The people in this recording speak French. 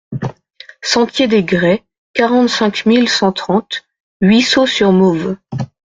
Sentier des Grès, quarante-cinq mille cent trente Huisseau-sur-Mauves